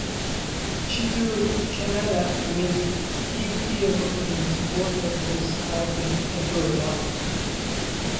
She toured Canada with Steve Earle in support of his album "I Feel Alright".